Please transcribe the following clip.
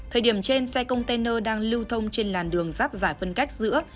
thời điểm trên xe container đang lưu thông trên làn đường giáp giải phân cách giữa